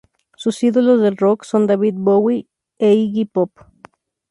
Sus ídolos del rock son David Bowie e Iggy Pop.